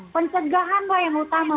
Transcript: pensegahan yang utama